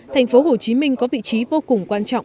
thành phố hồ chí minh có vị trí vô cùng quan trọng